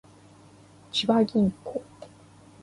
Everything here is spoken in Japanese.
千葉銀行